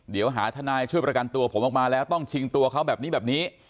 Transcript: เดี๋ยวหาทนายช่วยประกันตัวผมออกมาแล้วต้องชิงตัวเขาแบบนี้แบบนี้